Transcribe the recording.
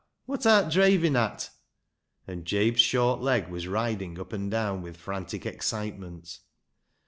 Wot art dreivin' at ?" and Jabe's short leg was riding up and down with frantic excitement.